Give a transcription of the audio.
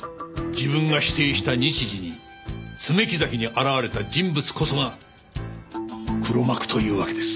自分が指定した日時に爪木崎に現れた人物こそが黒幕というわけです。